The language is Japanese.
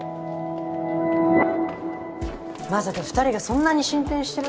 まさか２人がそんなに進展してるとは。